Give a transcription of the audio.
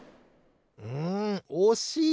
んおしい！